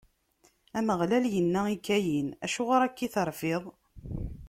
Ameɣlal inna i Kayin: Acuɣer akka i terfiḍ?